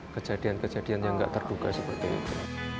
kejadian kejadian yang nggak terduga seperti itu